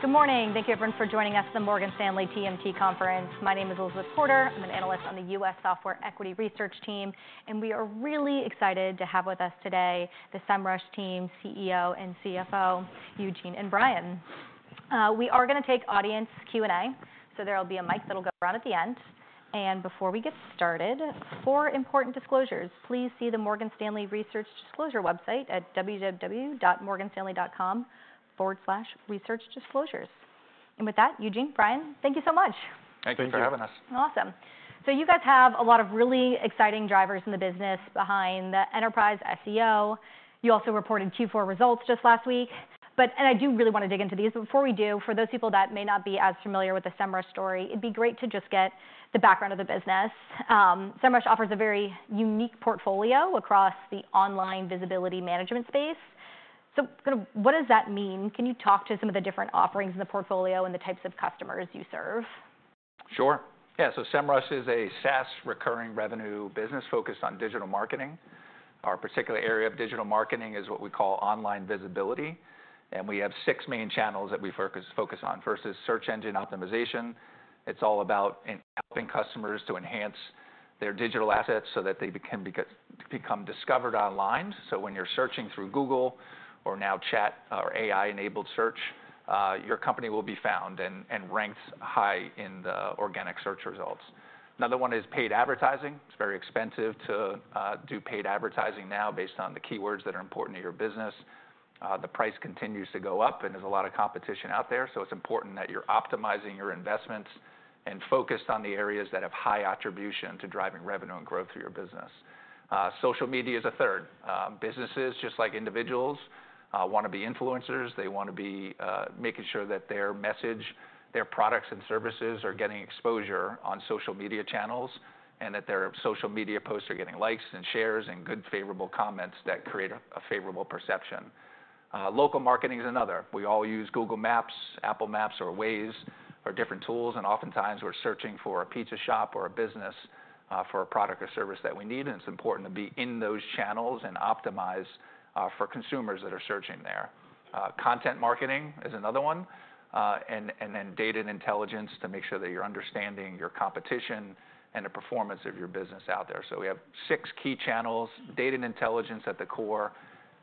Good morning. Thank you, everyone, for joining us at the Morgan Stanley TMT Conference. My name is Elizabeth Porter. I'm an analyst on the U.S. Software Equity Research team. We are really excited to have with us today the Semrush team CEO and CFO, Eugene and Brian. We are going to take audience Q&A, so there will be a mic that'll go around at the end. Before we get started, four important disclosures. Please see the Morgan Stanley Research Disclosure website at www.morganstanley.com/researchdisclosures. With that, Eugene, Brian, thank you so much. Thanks for having us. Awesome. You guys have a lot of really exciting drivers in the business behind the enterprise SEO. You also reported Q4 results just last week. I do really want to dig into these. Before we do, for those people that may not be as familiar with the Semrush story, it'd be great to just get the background of the business. Semrush offers a very unique portfolio across the online visibility management space. What does that mean? Can you talk to some of the different offerings in the portfolio and the types of customers you serve? Sure. Yeah, so Semrush is a SaaS recurring revenue business focused on digital marketing. Our particular area of digital marketing is what we call online visibility. We have six main channels that we focus on. First is search engine optimization. It's all about helping customers to enhance their digital assets so that they can become discovered online. When you're searching through Google, or now chat, or AI-enabled search, your company will be found and ranked high in the organic search results. Another one is paid advertising. It's very expensive to do paid advertising now based on the keywords that are important to your business. The price continues to go up, and there's a lot of competition out there. It's important that you're optimizing your investments and focused on the areas that have high attribution to driving revenue and growth for your business. Social media is a third. Businesses, just like individuals, want to be influencers. They want to be making sure that their message, their products and services are getting exposure on social media channels, and that their social media posts are getting likes and shares and good favorable comments that create a favorable perception. Local marketing is another. We all use Google Maps, Apple Maps, or Waze for different tools. Oftentimes, we're searching for a pizza shop or a business for a product or service that we need. It's important to be in those channels and optimize for consumers that are searching there. Content marketing is another one. Data and intelligence to make sure that you're understanding your competition and the performance of your business out there. We have six key channels, data and intelligence at the core,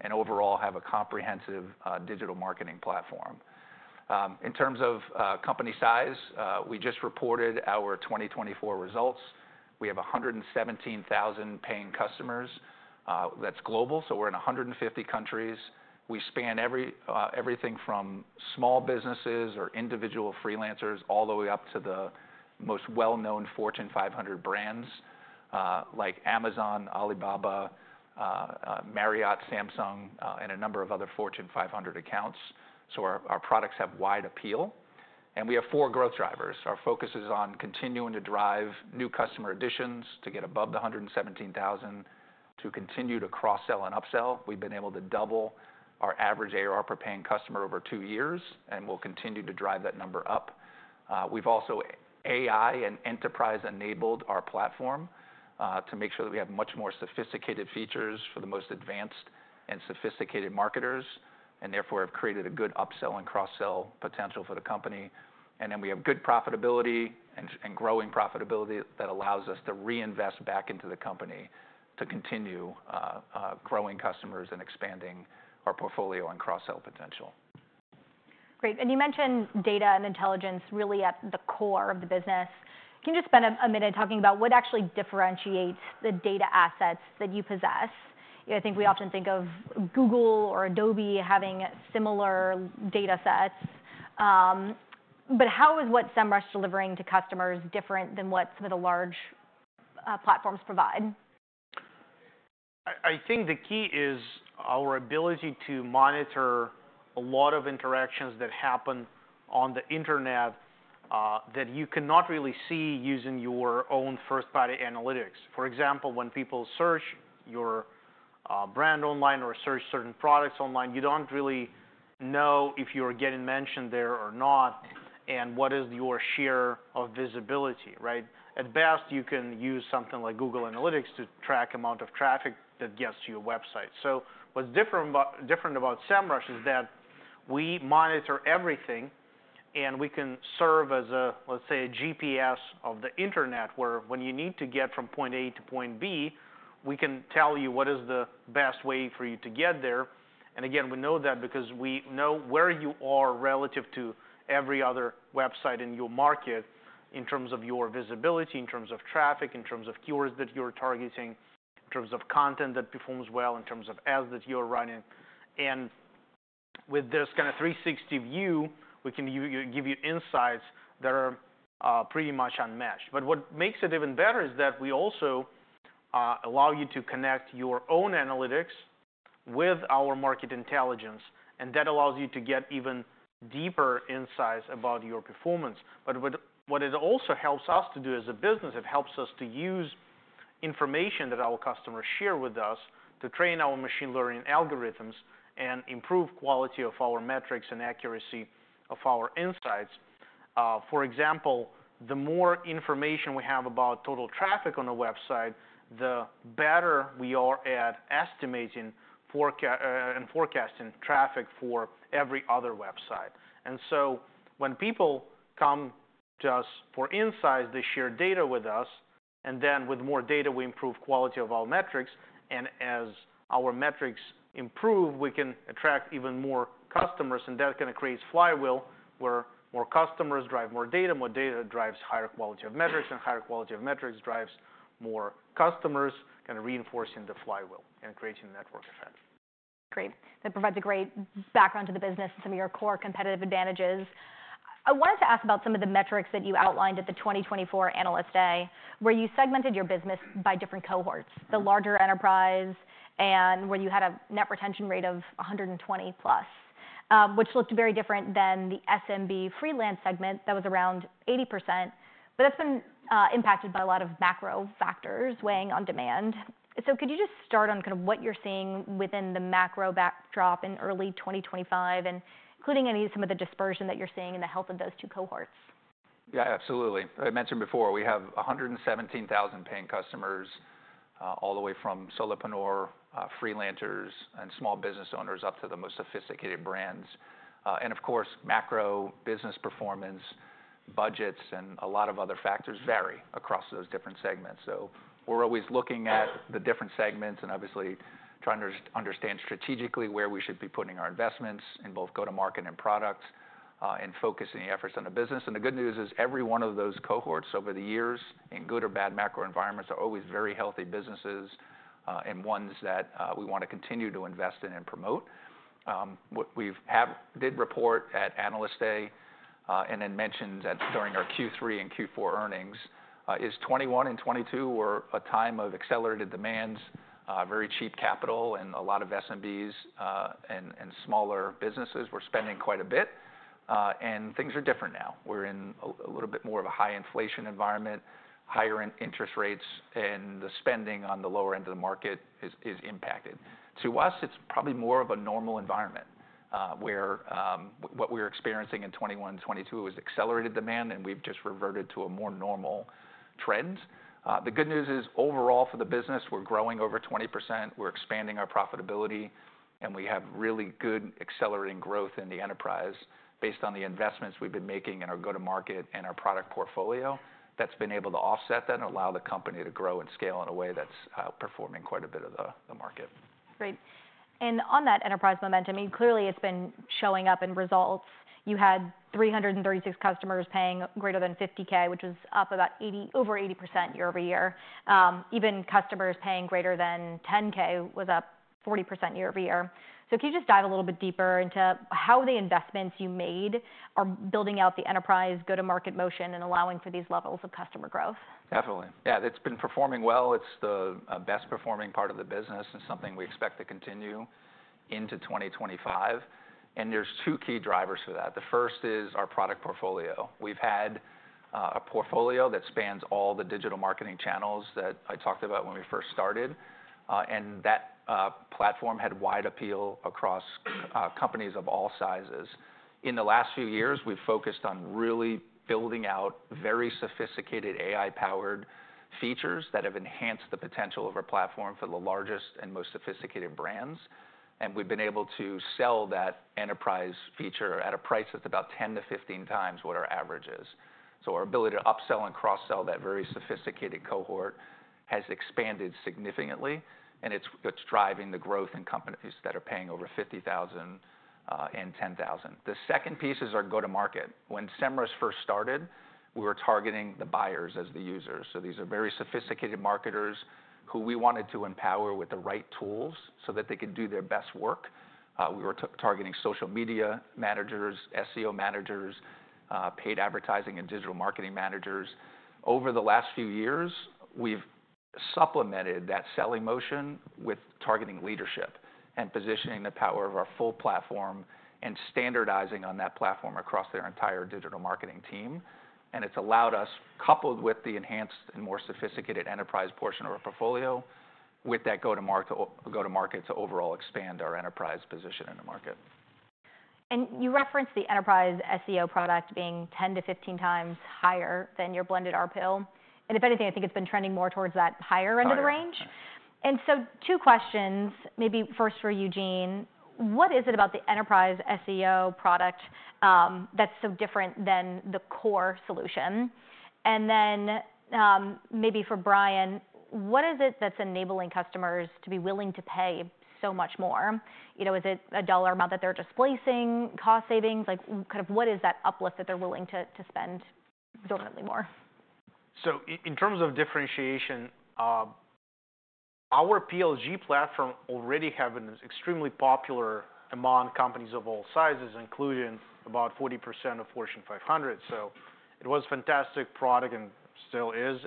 and overall have a comprehensive digital marketing platform. In terms of company size, we just reported our 2024 results. We have 117,000 paying customers. That's global, so we're in 150 countries. We span everything from small businesses or individual freelancers all the way up to the most well-known Fortune 500 brands like Amazon, Alibaba, Marriott, Samsung, and a number of other Fortune 500 accounts. Our products have wide appeal. We have four growth drivers. Our focus is on continuing to drive new customer additions to get above the 117,000, to continue to cross-sell and upsell. We've been able to double our average ARR per paying customer over two years, and we'll continue to drive that number up. We've also AI and enterprise-enabled our platform to make sure that we have much more sophisticated features for the most advanced and sophisticated marketers, and therefore have created a good upsell and cross-sell potential for the company. We have good profitability and growing profitability that allows us to reinvest back into the company to continue growing customers and expanding our portfolio and cross-sell potential. Great. You mentioned data and intelligence really at the core of the business. Can you just spend a minute talking about what actually differentiates the data assets that you possess? I think we often think of Google or Adobe having similar data sets. How is what Semrush is delivering to customers different than what some of the large platforms provide? I think the key is our ability to monitor a lot of interactions that happen on the internet that you cannot really see using your own first-party analytics. For example, when people search your brand online or search certain products online, you do not really know if you are getting mentioned there or not, and what is your share of visibility. At best, you can use something like Google Analytics to track the amount of traffic that gets to your website. What is different about Semrush is that we monitor everything, and we can serve as, let's say, a GPS of the internet, where when you need to get from point A to point B, we can tell you what is the best way for you to get there. We know that because we know where you are relative to every other website in your market in terms of your visibility, in terms of traffic, in terms of keywords that you're targeting, in terms of content that performs well, in terms of ads that you're running. With this kind of 360 view, we can give you insights that are pretty much unmatched. What makes it even better is that we also allow you to connect your own analytics with our market intelligence. That allows you to get even deeper insights about your performance. What it also helps us to do as a business, it helps us to use information that our customers share with us to train our machine learning algorithms and improve the quality of our metrics and accuracy of our insights. For example, the more information we have about total traffic on a website, the better we are at estimating and forecasting traffic for every other website. When people come to us for insights, they share data with us. With more data, we improve the quality of our metrics. As our metrics improve, we can attract even more customers. That kind of creates a flywheel where more customers drive more data, more data drives higher quality of metrics, and higher quality of metrics drives more customers, kind of reinforcing the flywheel and creating a network effect. Great. That provides a great background to the business and some of your core competitive advantages. I wanted to ask about some of the metrics that you outlined at the 2024 Analyst Day, where you segmented your business by different cohorts, the larger enterprise and where you had a net retention rate of 120% plus, which looked very different than the SMB freelance segment that was around 80%. That has been impacted by a lot of macro factors weighing on demand. Could you just start on kind of what you're seeing within the macro backdrop in early 2025, including any of the dispersion that you're seeing in the health of those two cohorts? Yeah, absolutely. I mentioned before, we have 117,000 paying customers all the way from solopreneurs, freelancers, and small business owners up to the most sophisticated brands. Of course, macro business performance, budgets, and a lot of other factors vary across those different segments. We are always looking at the different segments and obviously trying to understand strategically where we should be putting our investments in both go-to-market and products and focusing the efforts on the business. The good news is every one of those cohorts over the years, in good or bad macro environments, are always very healthy businesses and ones that we want to continue to invest in and promote. What we did report at Analyst Day and then mentioned during our Q3 and Q4 earnings is 2021 and 2022 were a time of accelerated demands, very cheap capital, and a lot of SMBs and smaller businesses were spending quite a bit. Things are different now. We're in a little bit more of a high inflation environment, higher interest rates, and the spending on the lower end of the market is impacted. To us, it's probably more of a normal environment where what we were experiencing in 2021 and 2022 was accelerated demand, and we've just reverted to a more normal trend. The good news is overall for the business, we're growing over 20%. We're expanding our profitability, and we have really good accelerating growth in the enterprise based on the investments we've been making in our go-to-market and our product portfolio that's been able to offset that and allow the company to grow and scale in a way that's performing quite a bit of the market. Great. On that enterprise momentum, clearly it has been showing up in results. You had 336 customers paying greater than $50,000, which was up about over 80% year over year. Even customers paying greater than $10,000 was up 40% year over year. Can you just dive a little bit deeper into how the investments you made are building out the enterprise go-to-market motion and allowing for these levels of customer growth? Definitely. Yeah, it's been performing well. It's the best-performing part of the business and something we expect to continue into 2025. There are two key drivers for that. The first is our product portfolio. We've had a portfolio that spans all the digital marketing channels that I talked about when we first started. That platform had wide appeal across companies of all sizes. In the last few years, we've focused on really building out very sophisticated AI-powered features that have enhanced the potential of our platform for the largest and most sophisticated brands. We've been able to sell that enterprise feature at a price that's about 10-15 times what our average is. Our ability to upsell and cross-sell that very sophisticated cohort has expanded significantly. It's driving the growth in companies that are paying over $50,000 and $10,000. The second piece is our go-to-market. When Semrush first started, we were targeting the buyers as the users. These are very sophisticated marketers who we wanted to empower with the right tools so that they could do their best work. We were targeting social media managers, SEO managers, paid advertising, and digital marketing managers. Over the last few years, we've supplemented that selling motion with targeting leadership and positioning the power of our full platform and standardizing on that platform across their entire digital marketing team. It has allowed us, coupled with the enhanced and more sophisticated enterprise portion of our portfolio, with that go-to-market to overall expand our enterprise position in the market. You referenced the enterprise SEO product being 10-15 times higher than your blended RPO. If anything, I think it has been trending more towards that higher end of the range. Two questions, maybe first for Eugene. What is it about the enterprise SEO product that is so different than the core solution? Then maybe for Brian, what is it that is enabling customers to be willing to pay so much more? Is it a dollar amount that they are displacing, cost savings? What is that uplift that they are willing to spend exorbitantly more? In terms of differentiation, our PLG platform already has an extremely popular among companies of all sizes, including about 40% of Fortune 500. It was a fantastic product and still is.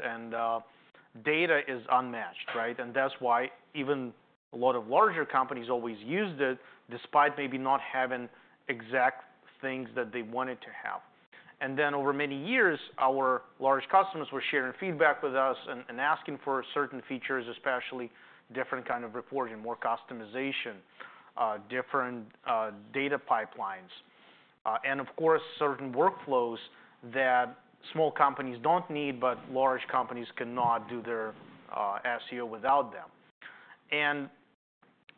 Data is unmatched. That is why even a lot of larger companies always used it despite maybe not having exact things that they wanted to have. Over many years, our large customers were sharing feedback with us and asking for certain features, especially different kinds of reporting, more customization, different data pipelines, and of course, certain workflows that small companies do not need, but large companies cannot do their SEO without them.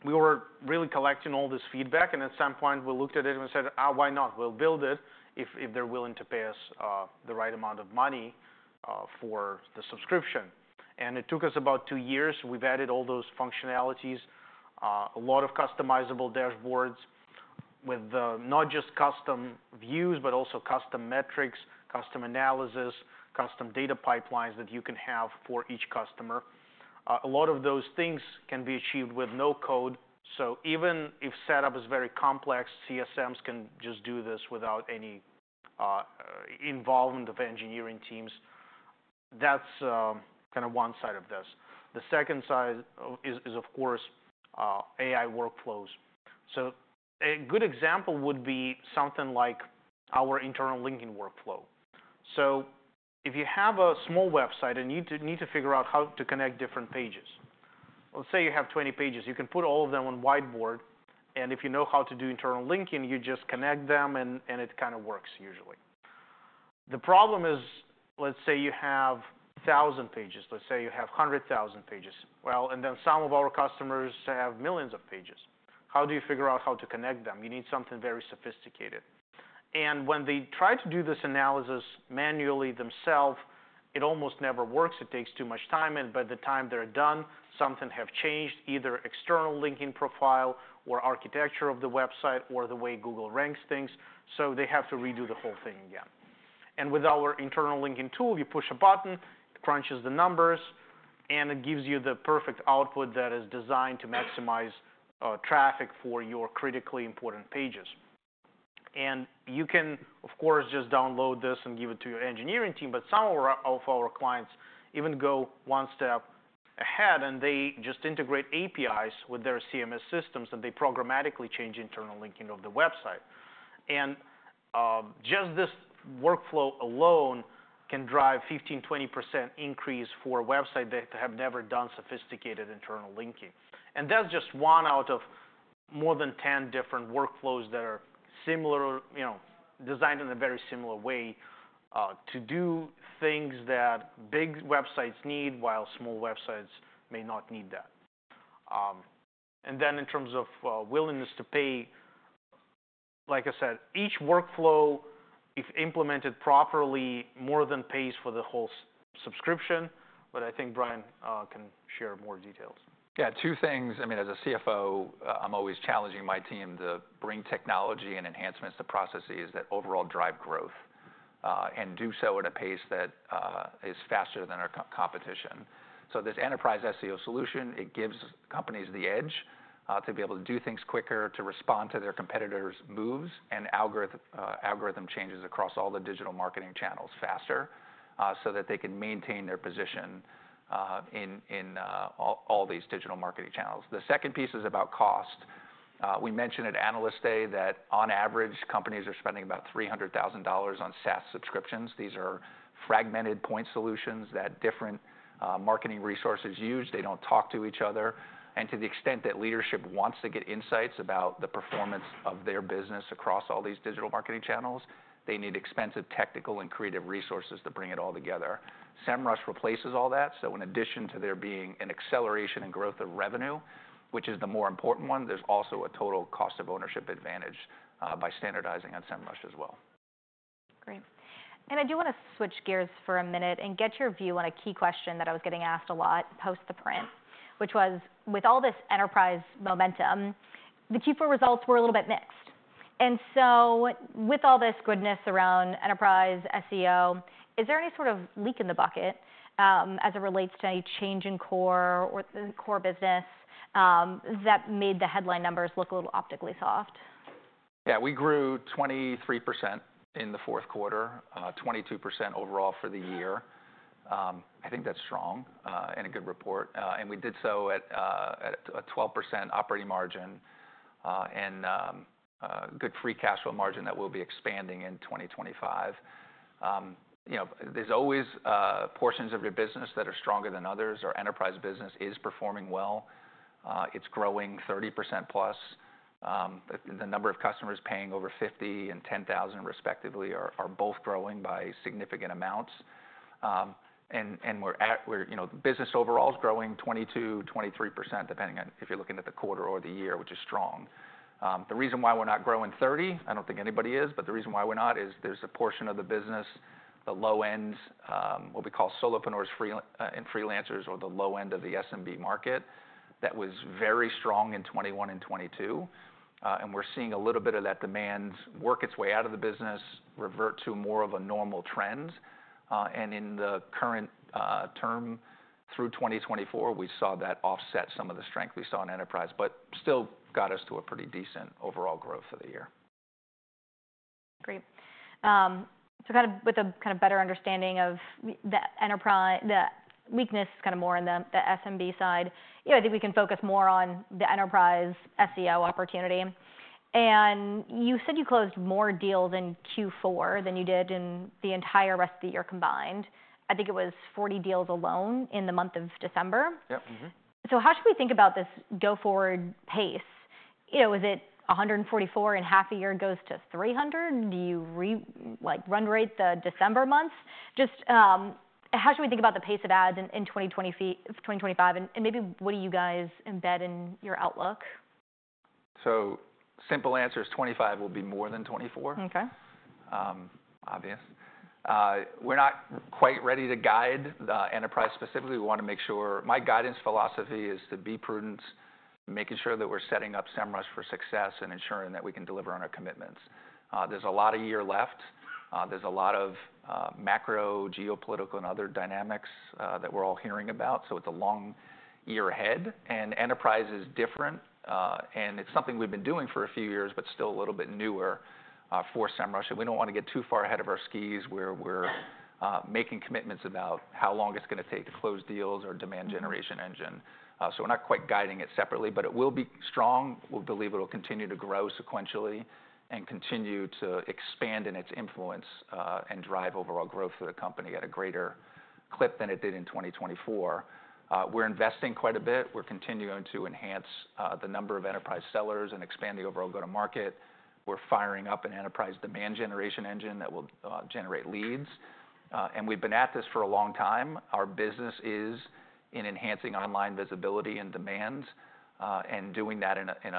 We were really collecting all this feedback. At some point, we looked at it and we said, "Why not? We'll build it if they're willing to pay us the right amount of money for the subscription." It took us about two years. We've added all those functionalities, a lot of customizable dashboards with not just custom views, but also custom metrics, custom analysis, custom data pipelines that you can have for each customer. A lot of those things can be achieved with no code. Even if setup is very complex, CSMs can just do this without any involvement of engineering teams. That's kind of one side of this. The second side is, of course, AI workflows. A good example would be something like our internal linking workflow. If you have a small website and you need to figure out how to connect different pages, let's say you have 20 pages, you can put all of them on a whiteboard. If you know how to do internal linking, you just connect them, and it kind of works usually. The problem is, let's say you have 1,000 pages. Let's say you have 100,000 pages. Some of our customers have millions of pages. How do you figure out how to connect them? You need something very sophisticated. When they try to do this analysis manually themselves, it almost never works. It takes too much time. By the time they're done, something has changed, either external linking profile or architecture of the website or the way Google ranks things. They have to redo the whole thing again. With our internal linking tool, you push a button, it crunches the numbers, and it gives you the perfect output that is designed to maximize traffic for your critically important pages. You can, of course, just download this and give it to your engineering team. Some of our clients even go one step ahead, and they just integrate APIs with their CMS systems, and they programmatically change internal linking of the website. Just this workflow alone can drive a 15%-20% increase for websites that have never done sophisticated internal linking. That is just one out of more than 10 different workflows that are designed in a very similar way to do things that big websites need while small websites may not need that. In terms of willingness to pay, like I said, each workflow, if implemented properly, more than pays for the whole subscription. I think Brian can share more details. Yeah, two things. I mean, as a CFO, I'm always challenging my team to bring technology and enhancements to processes that overall drive growth and do so at a pace that is faster than our competition. This enterprise SEO solution, it gives companies the edge to be able to do things quicker, to respond to their competitors' moves and algorithm changes across all the digital marketing channels faster so that they can maintain their position in all these digital marketing channels. The second piece is about cost. We mentioned at Analyst Day that on average, companies are spending about $300,000 on SaaS subscriptions. These are fragmented point solutions that different marketing resources use. They don't talk to each other. To the extent that leadership wants to get insights about the performance of their business across all these digital marketing channels, they need expensive technical and creative resources to bring it all together. Semrush replaces all that. In addition to there being an acceleration in growth of revenue, which is the more important one, there is also a total cost of ownership advantage by standardizing on Semrush as well. Great. I do want to switch gears for a minute and get your view on a key question that I was getting asked a lot post the print, which was, with all this enterprise momentum, the Q4 results were a little bit mixed. With all this goodness around enterprise SEO, is there any sort of leak in the bucket as it relates to any change in core or the core business that made the headline numbers look a little optically soft? Yeah, we grew 23% in the fourth quarter, 22% overall for the year. I think that's strong and a good report. We did so at a 12% operating margin and good free cash flow margin that we'll be expanding in 2025. There's always portions of your business that are stronger than others. Our enterprise business is performing well. It's growing 30% plus. The number of customers paying over 50 and 10,000 respectively are both growing by significant amounts. The business overall is growing 22%-23%, depending on if you're looking at the quarter or the year, which is strong. The reason why we're not growing 30%, I don't think anybody is, but the reason why we're not is there's a portion of the business, the low end, what we call solopreneurs and freelancers, or the low end of the SMB market that was very strong in 2021 and 2022. We're seeing a little bit of that demand work its way out of the business, revert to more of a normal trend. In the current term through 2024, we saw that offset some of the strength we saw in enterprise, but still got us to a pretty decent overall growth for the year. Great. With a kind of better understanding of the weakness more on the SMB side, I think we can focus more on the enterprise SEO opportunity. You said you closed more deals in Q4 than you did in the entire rest of the year combined. I think it was 40 deals alone in the month of December. Yep. How should we think about this go-forward pace? Is it 144 in half a year goes to 300? Do you run rate the December months? Just how should we think about the pace of ads in 2025? Maybe what do you guys embed in your outlook? Simple answer is 25 will be more than 24. Okay. Obvious. We're not quite ready to guide the enterprise specifically. We want to make sure my guidance philosophy is to be prudent, making sure that we're setting up Semrush for success and ensuring that we can deliver on our commitments. There's a lot of year left. There's a lot of macro, geopolitical, and other dynamics that we're all hearing about. It is a long year ahead. Enterprise is different. It is something we've been doing for a few years, but still a little bit newer for Semrush. We don't want to get too far ahead of our skis where we're making commitments about how long it's going to take to close deals or demand generation engine. We're not quite guiding it separately, but it will be strong. We believe it'll continue to grow sequentially and continue to expand in its influence and drive overall growth for the company at a greater clip than it did in 2024. We're investing quite a bit. We're continuing to enhance the number of enterprise sellers and expand the overall go-to-market. We're firing up an enterprise demand generation engine that will generate leads. We've been at this for a long time. Our business is in enhancing online visibility and demands and doing that in an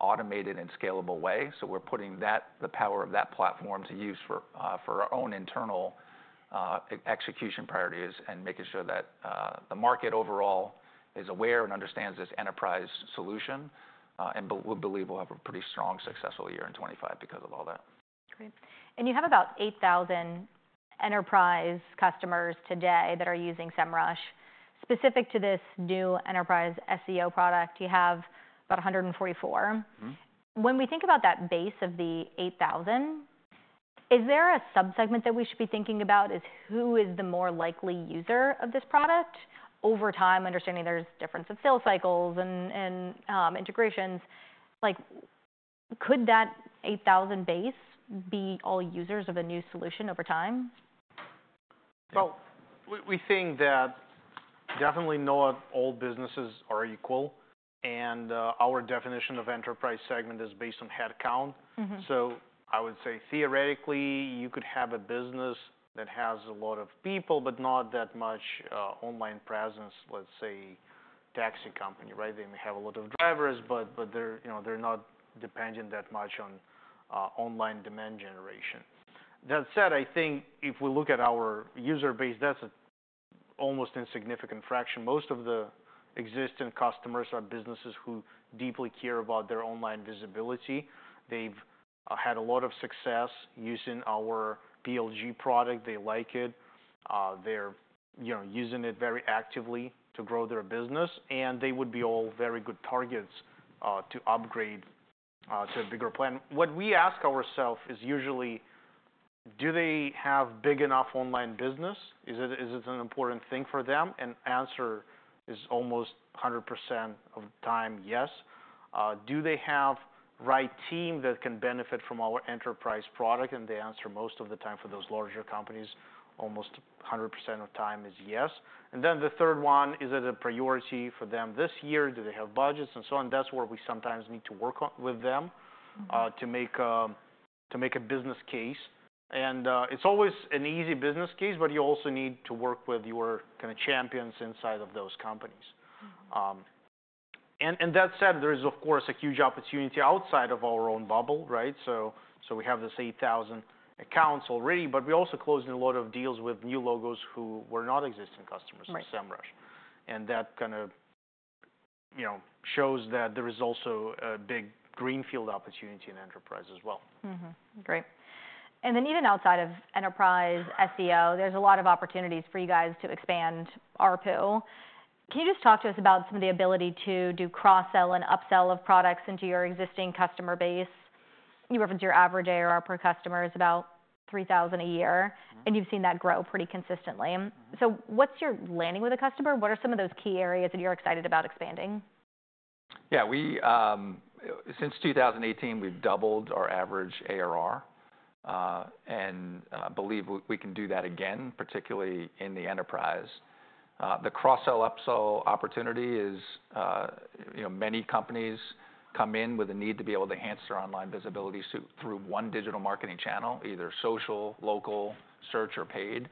automated and scalable way. We're putting the power of that platform to use for our own internal execution priorities and making sure that the market overall is aware and understands this enterprise solution. We believe we'll have a pretty strong, successful year in 2025 because of all that. Great. You have about 8,000 enterprise customers today that are using Semrush. Specific to this new Enterprise SEO product, you have about 144. When we think about that base of the 8,000, is there a subsegment that we should be thinking about? Is who is the more likely user of this product? Over time, understanding there's difference of sales cycles and integrations, could that 8,000 base be all users of a new solution over time? We think that definitely not all businesses are equal. Our definition of enterprise segment is based on headcount. I would say theoretically, you could have a business that has a lot of people, but not that much online presence, let's say, taxi company, right? They may have a lot of drivers, but they're not dependent that much on online demand generation. That said, I think if we look at our user base, that's an almost insignificant fraction. Most of the existing customers are businesses who deeply care about their online visibility. They've had a lot of success using our PLG product. They like it. They're using it very actively to grow their business. They would be all very good targets to upgrade to a bigger plan. What we ask ourselves is usually, do they have big enough online business? Is it an important thing for them? The answer is almost 100% of the time, yes. Do they have the right team that can benefit from our enterprise product? The answer most of the time for those larger companies, almost 100% of the time, is yes. The third one, is it a priority for them this year? Do they have budgets? That is where we sometimes need to work with them to make a business case. It is always an easy business case, but you also need to work with your kind of champions inside of those companies. That said, there is, of course, a huge opportunity outside of our own bubble, right? We have this 8,000 accounts already, but we also closed a lot of deals with new logos who were not existing customers of Semrush. That kind of shows that there is also a big greenfield opportunity in enterprise as well. Great. Even outside of enterprise SEO, there's a lot of opportunities for you guys to expand our pool. Can you just talk to us about some of the ability to do cross-sell and upsell of products into your existing customer base? You referenced your average ARR per customer is about $3,000 a year. You've seen that grow pretty consistently. What's your landing with a customer? What are some of those key areas that you're excited about expanding? Yeah. Since 2018, we've doubled our average ARR. I believe we can do that again, particularly in the enterprise. The cross-sell/upsell opportunity is many companies come in with a need to be able to enhance their online visibility through one digital marketing channel, either social, local, search, or paid.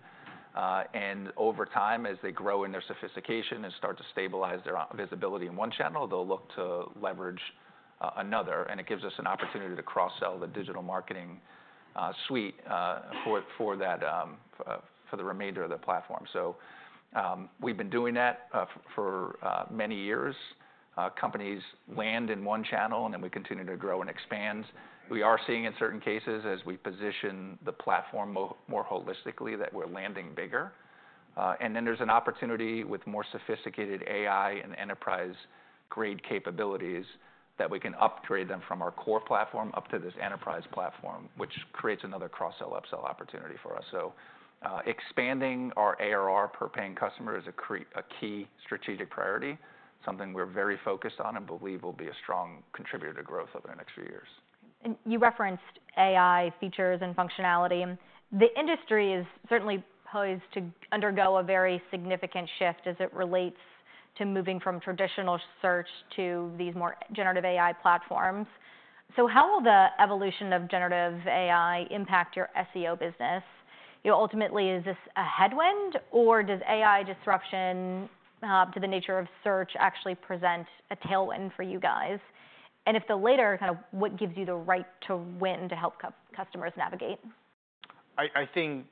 Over time, as they grow in their sophistication and start to stabilize their visibility in one channel, they'll look to leverage another. It gives us an opportunity to cross-sell the digital marketing suite for the remainder of the platform. We've been doing that for many years. Companies land in one channel, and then we continue to grow and expand. We are seeing in certain cases, as we position the platform more holistically, that we're landing bigger. There is an opportunity with more sophisticated AI and enterprise-grade capabilities that we can upgrade them from our core platform up to this enterprise platform, which creates another cross-sell/upsell opportunity for us. Expanding our ARR per paying customer is a key strategic priority, something we're very focused on and believe will be a strong contributor to growth over the next few years. You referenced AI features and functionality. The industry is certainly poised to undergo a very significant shift as it relates to moving from traditional search to these more generative AI platforms. How will the evolution of generative AI impact your SEO business? Ultimately, is this a headwind, or does AI disruption to the nature of search actually present a tailwind for you guys? If the latter, kind of what gives you the right to win to help customers navigate? I think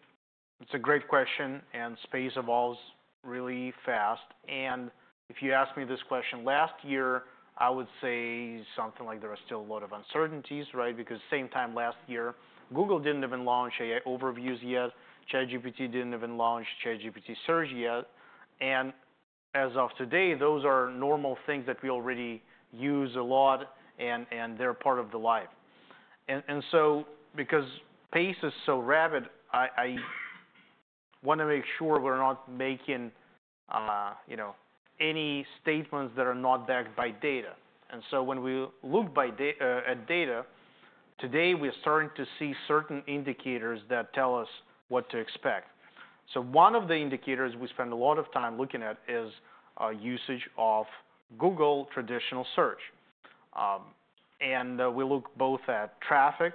it's a great question, and space evolves really fast. If you ask me this question last year, I would say something like there are still a lot of uncertainties, right? Because at the same time last year, Google didn't even launch AI Overviews yet. ChatGPT didn't even launch ChatGPT Search yet. As of today, those are normal things that we already use a lot, and they're part of the life. Because pace is so rapid, I want to make sure we're not making any statements that are not backed by data. When we look at data, today, we're starting to see certain indicators that tell us what to expect. One of the indicators we spend a lot of time looking at is usage of Google traditional search. We look both at traffic,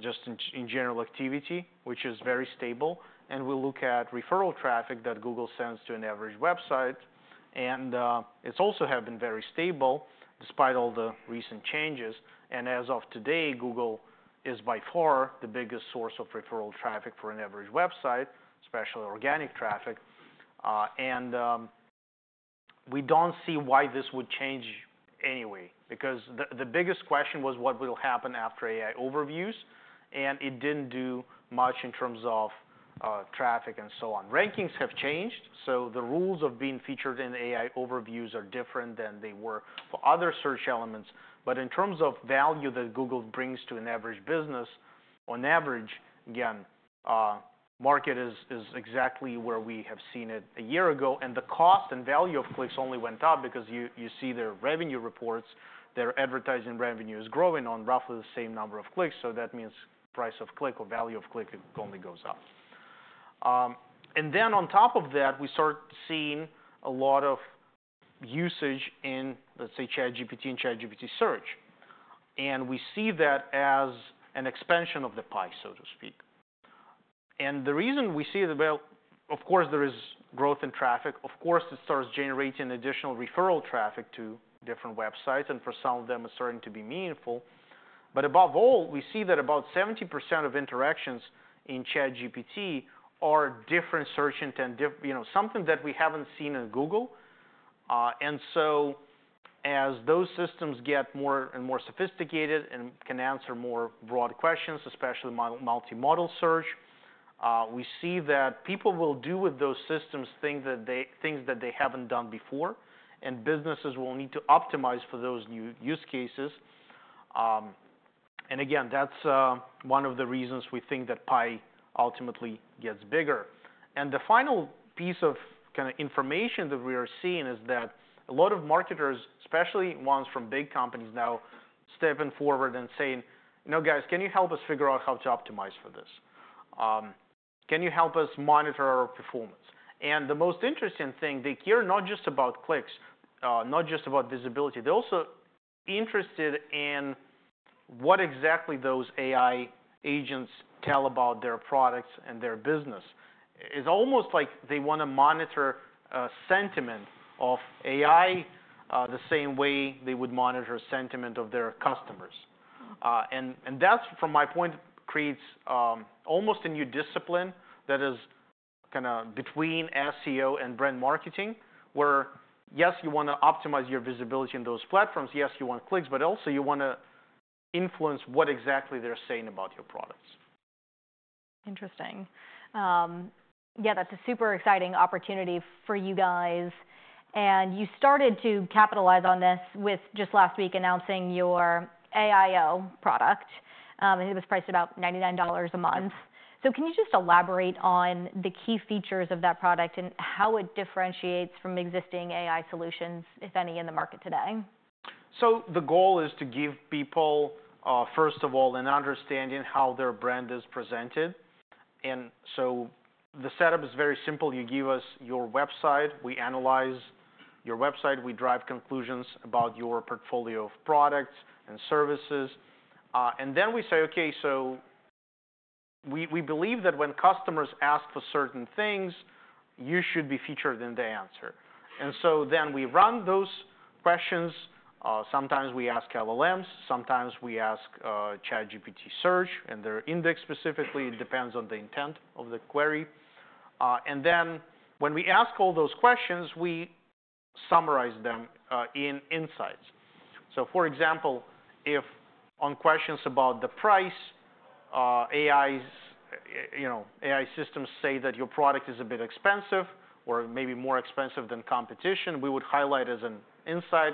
just in general activity, which is very stable. We look at referral traffic that Google sends to an average website. It has also been very stable despite all the recent changes. As of today, Google is by far the biggest source of referral traffic for an average website, especially organic traffic. We do not see why this would change anyway because the biggest question was what will happen after AI Overviews. It did not do much in terms of traffic and so on. Rankings have changed. The rules of being featured in AI Overviews are different than they were for other search elements. In terms of value that Google brings to an average business, on average, again, the market is exactly where we have seen it a year ago. The cost and value of clicks only went up because you see their revenue reports. Their advertising revenue is growing on roughly the same number of clicks. That means price of click or value of click only goes up. On top of that, we start seeing a lot of usage in, let's say, ChatGPT and ChatGPT Search. We see that as an expansion of the pike, so to speak. The reason we see it, well, of course, there is growth in traffic. Of course, it starts generating additional referral traffic to different websites. For some of them, it's starting to be meaningful. Above all, we see that about 70% of interactions in ChatGPT are different search intent, something that we haven't seen in Google. As those systems get more and more sophisticated and can answer more broad questions, especially multimodal search, we see that people will do with those systems things that they haven't done before. Businesses will need to optimize for those new use cases. That is one of the reasons we think that pie ultimately gets bigger. The final piece of information that we are seeing is that a lot of marketers, especially ones from big companies now, are stepping forward and saying, "No, guys, can you help us figure out how to optimize for this? Can you help us monitor our performance?" The most interesting thing, they care not just about clicks, not just about visibility. They are also interested in what exactly those AI agents tell about their products and their business. It is almost like they want to monitor sentiment of AI the same way they would monitor sentiment of their customers. From my point, that creates almost a new discipline that is kind of between SEO and brand marketing, where, yes, you want to optimize your visibility on those platforms. Yes, you want clicks, but also you want to influence what exactly they are saying about your products. Interesting. Yeah, that's a super exciting opportunity for you guys. You started to capitalize on this with just last week announcing your AIO product. It was priced at about $99 a month. Can you just elaborate on the key features of that product and how it differentiates from existing AI solutions, if any, in the market today? The goal is to give people, first of all, an understanding of how their brand is presented. The setup is very simple. You give us your website. We analyze your website. We drive conclusions about your portfolio of products and services. We say, "Okay, we believe that when customers ask for certain things, you should be featured in the answer." We run those questions. Sometimes we ask LLMs. Sometimes we ask ChatGPT Search and their index specifically. It depends on the intent of the query. When we ask all those questions, we summarize them in insights. For example, if on questions about the price, AI systems say that your product is a bit expensive or maybe more expensive than competition, we would highlight as an insight.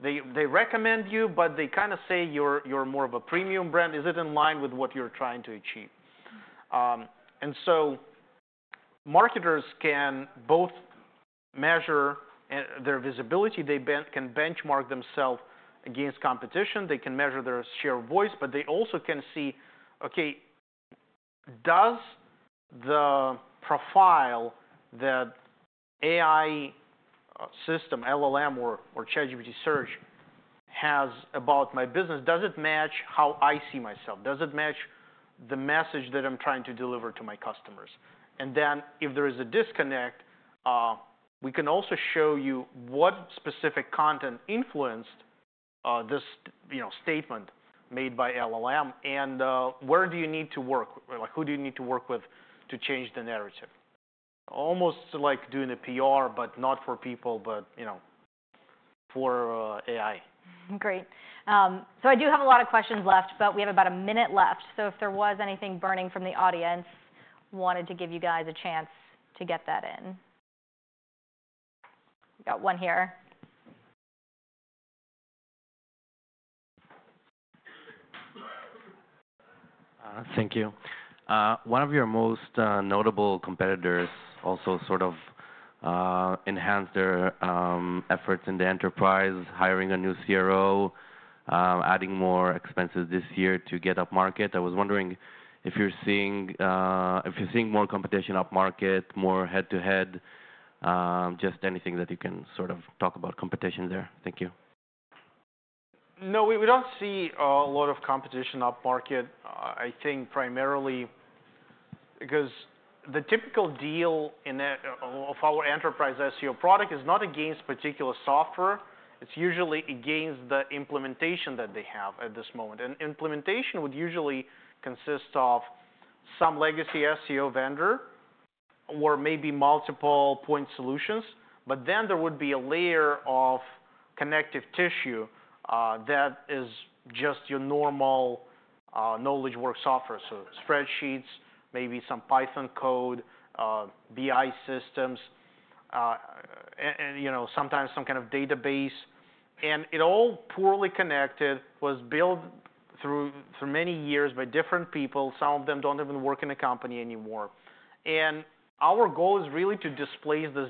They recommend you, but they kind of say you're more of a premium brand. Is it in line with what you're trying to achieve? Marketers can both measure their visibility. They can benchmark themselves against competition. They can measure their share of voice. They also can see, "Okay, does the profile that AI system, LLM, or ChatGPT Search has about my business, does it match how I see myself? Does it match the message that I'm trying to deliver to my customers?" If there is a disconnect, we can also show you what specific content influenced this statement made by LLM and where you need to work, like who you need to work with to change the narrative. Almost like doing a PR, but not for people, but for AI. Great. I do have a lot of questions left, but we have about a minute left. If there was anything burning from the audience, wanted to give you guys a chance to get that in. We got one here. Thank you. One of your most notable competitors also sort of enhanced their efforts in the enterprise, hiring a new CRO, adding more expenses this year to get up market. I was wondering if you're seeing more competition up market, more head-to-head, just anything that you can sort of talk about competition there. Thank you. No, we do not see a lot of competition up market. I think primarily because the typical deal of our enterprise SEO product is not against particular software. It is usually against the implementation that they have at this moment. An implementation would usually consist of some legacy SEO vendor or maybe multiple point solutions. There would be a layer of connective tissue that is just your normal knowledge work software. Spreadsheets, maybe some Python code, BI systems, and sometimes some kind of database. It is all poorly connected, was built through many years by different people. Some of them do not even work in the company anymore. Our goal is really to displace this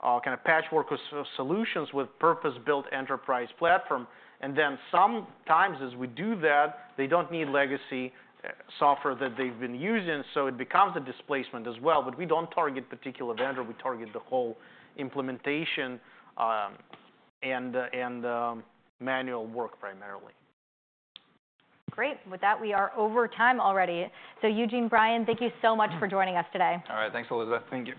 kind of patchwork of solutions with a purpose-built enterprise platform. Sometimes as we do that, they do not need legacy software that they have been using. It becomes a displacement as well. We do not target particular vendor. We target the whole implementation and manual work primarily. Great. With that, we are over time already. So Eugene, Brian, thank you so much for joining us today. All right. Thanks, Elizabeth. Thank you.